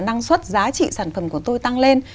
năng suất giá trị sản phẩm của tôi tăng lên